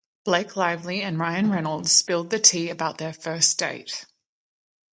Blake Lively and Ryan Reynolds spilled the tea about their first date.